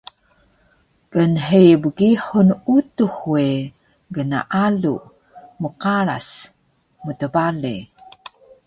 Gnhei Bgihur Utux we gnaalu, mqaras, mtbale